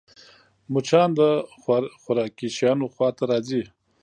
مچان د خوراکي شيانو خوا ته راځي